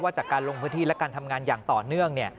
จากการลงพื้นที่และการทำงานอย่างต่อเนื่อง